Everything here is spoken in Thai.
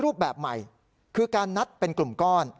รูปแบบใหม่คือการนัดเป็นกลุ่มก้อน